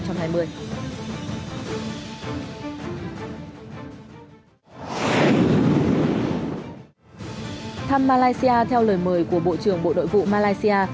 thăm malaysia theo lời mời của bộ trưởng bộ nội vụ malaysia